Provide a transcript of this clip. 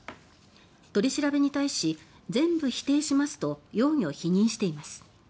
取り調べに対し全部否定しますと容疑を否認しています。